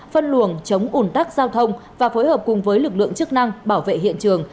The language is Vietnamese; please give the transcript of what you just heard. phân luồng chống ủn tắc giao thông và phối hợp cùng với lực lượng chức năng bảo vệ hiện trường